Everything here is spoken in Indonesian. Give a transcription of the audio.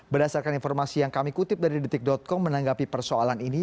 berdasarkan informasi yang kami kutip dari detik com menanggapi persoalan ini